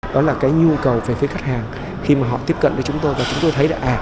đó là cái nhu cầu về phía khách hàng khi mà họ tiếp cận với chúng tôi và chúng tôi thấy là à